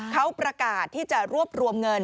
เขาประกาศที่จะรวบรวมเงิน